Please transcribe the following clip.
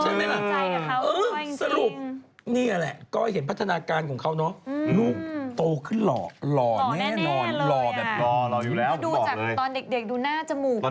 ใช่ไหมล่ะสรุปนี่นี่แหละก้อยเห็นพัฒนาการของเขาเนอะลูกโตขึ้นหล่อหล่อแน่นอนหล่อแบบนี้ตอนเด็กดูหน้าจมูกปาก